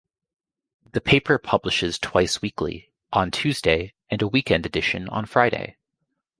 The paper publishes twice weekly, on Tuesday and a weekend edition on Friday.